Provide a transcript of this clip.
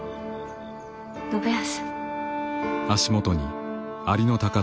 信康。